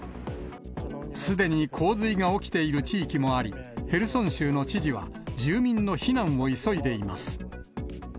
すでに洪水が起きている地域もあり、ヘルソン州の知事は、住民の避難を急いでいます。